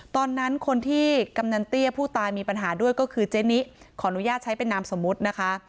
ตอนนั้นคนที่กำนันเตี้ยผู้ตายมีปัญหาด้วยก็คือเจนิขออนุญาตใช้เป็นนามสมมุตินะคะ